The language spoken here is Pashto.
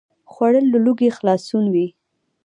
خوړل له لوږې خلاصون وي